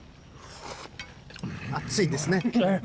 熱いですね。